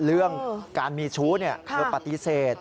เรื่องการมีชู้เธอปฏิเสธ